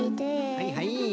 はいはい。